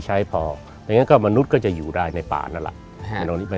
ใช้พอแต่งั้นก็มนุษย์ก็จะอยู่รายในป่านั่นล่ะใช่ไม่